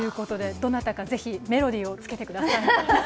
どなたか是非、メロディーをつけてください。